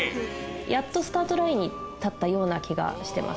やっとスタートラインに立ったような気がしてます。